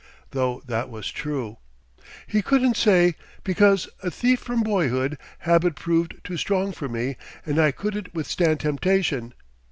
though that was true. He couldn't say: "Because, a thief from boyhood, habit proved too strong for me, and I couldn't withstand temptation!"